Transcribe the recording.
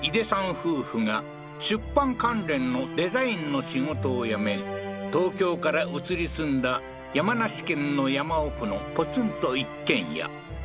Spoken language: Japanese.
夫婦が出版関連のデザインの仕事を辞め東京から移り住んだ山梨県の山奥のポツンと一軒家